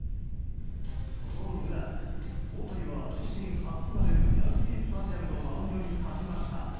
その裏、大谷は自身初となるヤンキー・スタジアムのマウンドに立ちました。